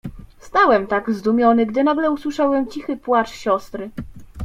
"Stałem tak zdumiony, gdy nagle usłyszałem cichy płacz siostry."